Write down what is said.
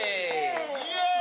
イエイ！